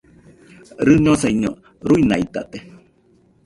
Rɨñosaiño, ruinaitate.